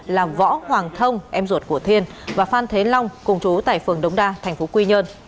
là võ hoàng thông em ruột của thiên và phan thế long cùng chú tại phường đống đa thành phố quy nhơn